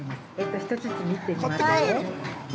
１つずつ見てみましょうね。